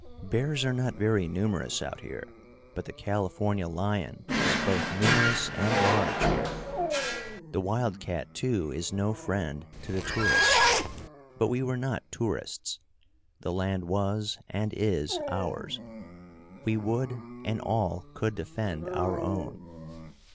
Bears are not very numerous out here; but the California lion is both numerous and large here. The wild cat, too, is no friend to the tourist. But we were not tourists. The land was and is ours. We would and all could defend our own.